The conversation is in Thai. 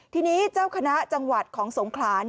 ทีนี้เจ้าคณะจังหวัดของสงขลา